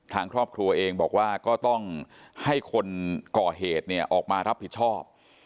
ทางครอบครัวเองบอกว่าก็ต้องให้คนก่อเหตุเนี่ยออกมารับผิดชอบ